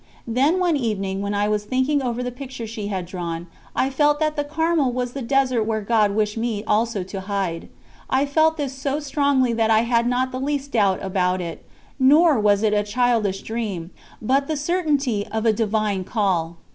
Then one evening, when I was thinking over the picture she had drawn, I felt that the Carmel was the desert where God wished me also to hide. I felt this so strongly that I had not the least doubt about it; nor was it a childish dream, but the certainty of a Divine Call.